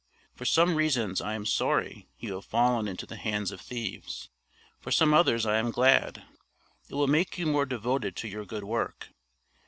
For some reasons I am sorry you have fallen into the hands of thieves. For some others I am glad. It will make you more devoted to your good work.